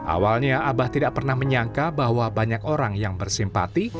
awalnya abah tidak pernah menyangka bahwa banyak orang yang bersimpati